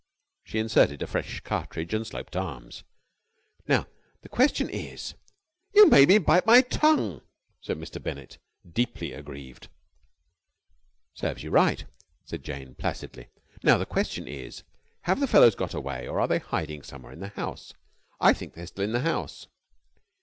She inserted a fresh cartridge, and sloped arms. "Now, the question is...." "You made me bite my tongue!" said Mr. Bennett, deeply aggrieved. "Serves you right!" said Jane placidly. "Now, the question is, have the fellows got away or are they hiding somewhere in the house? I think they're still in the house."